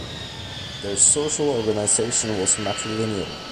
Their social organization was matrilineal.